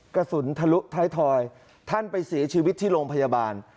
กระสุนทะลุท้ายทอยท่านไปเสียชีวิตที่โรงพยาบาล